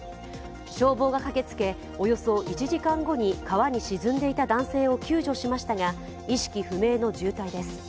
消防が駆けつけ、およそ１時間後に川に沈んでいた男性を救助しましたが意識不明の重体です。